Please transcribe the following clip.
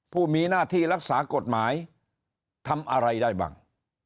ผู้มีหน้าที่รักษากฎหมายทำอะไรได้บ้าง